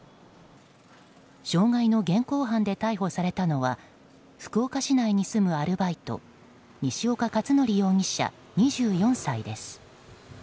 傷害の現行犯で逮捕されたのは福岡市内に住むアルバイト西岡且准容疑者、２４歳です。